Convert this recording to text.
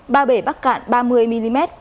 ba bể bắc cạn ba mươi mm